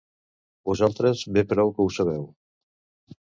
Vosaltres bé prou que ho sabeu.